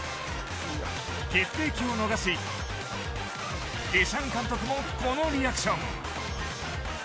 決定機を逃しデシャン監督もこのリアクション。